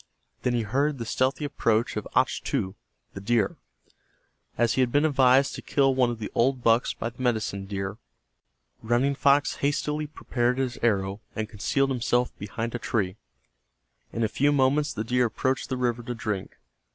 Then he heard the stealthy approach of Achtu, the deer. As he had been advised to kill one of the old bucks by the medicine deer, Running Fox hastily prepared his arrow and concealed himself behind a tree. In a few moments the deer approached the river to drink.